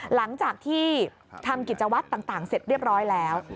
หลังจากที่ทำกิจวัตรต่างเสร็จเรียบร้อยแล้ว